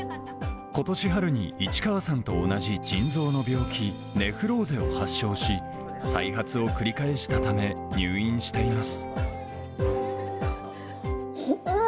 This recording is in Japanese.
ことし春に市川さんと同じ腎臓の病気、ネフローゼを発症し、再発を繰り返したため、入院しています。